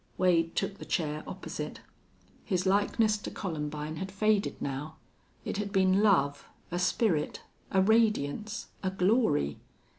Wade took the chair opposite. His likeness to Columbine had faded now. It had been love, a spirit, a radiance, a glory.